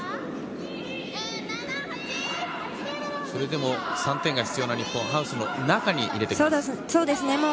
それでも３点が必要な日本、ハウスの中に入れてきます。